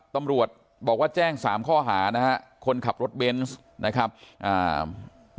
ตำรวจบอกว่าแจ้งสามข้อหานะฮะคนขับรถเบนส์นะครับอ่า